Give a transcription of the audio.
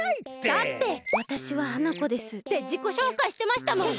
だって「わたしは花子です」ってじこしょうかいしてましたもん。